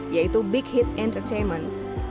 yaitu big hit entertainment